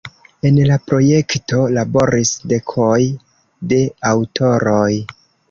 En la projekto laboris dekoj de aŭtoroj.